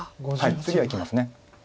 次はいきます。